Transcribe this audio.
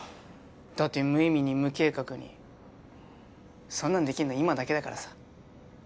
だって無意味に無計画にそんなのできんの今だけだからさ